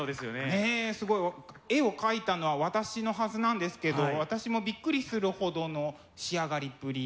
ねえすごい絵を描いたのは私のはずなんですけど私もびっくりするほどの仕上がりっぷり。